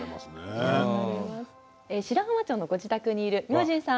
白浜町のご自宅にいる明神さん。